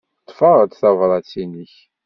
Ḍḍfeɣ-d tabṛat-nnek.